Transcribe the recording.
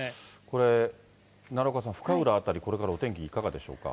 これ、奈良岡さん、深浦辺り、これからお天気いかがでしょうか。